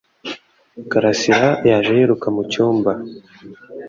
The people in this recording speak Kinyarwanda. Karasira yaje yiruka mu cyumba